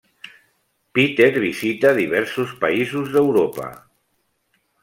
Peter visita diversos països d'Europa.